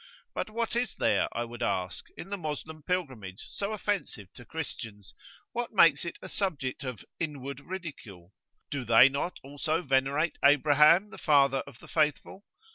But what is there, I would ask, in the Moslem Pilgrimage so offensive to Christians what makes it a subject of "inward ridicule"? Do they not also venerate Abraham, the Father of the Faithful?